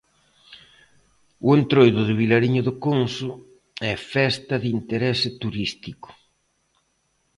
O entroido de Vilariño de Conso é Festa de Interese Turístico.